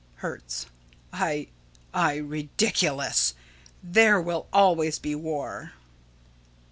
Hertz: I I ridiculous! There will always be war.